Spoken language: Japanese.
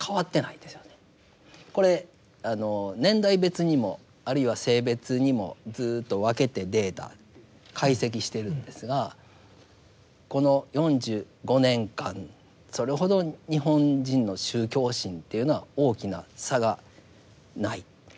これ年代別にもあるいは性別にもずっと分けてデータ解析しているんですがこの４５年間それほど日本人の宗教心というのは大きな差がない。